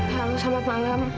halo selamat malam